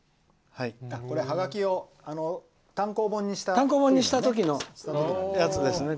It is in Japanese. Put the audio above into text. これ、ハガキを単行本にした時のやつですね。